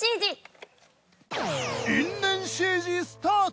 因縁シージスタート！